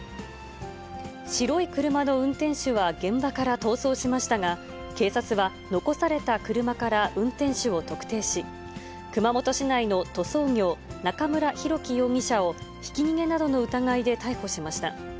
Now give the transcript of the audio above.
白い車の運転手は現場から逃走しましたが、警察は残された車から運転手を特定し、熊本市内の塗装業、中村広樹容疑者を、ひき逃げなどの疑いで逮捕しました。